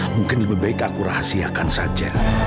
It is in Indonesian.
mungkin lebih baik aku rahasiakan saja